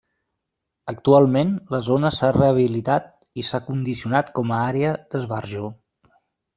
Actualment, la zona s'ha rehabilitat i s'ha condicionat com a àrea d'esbarjo.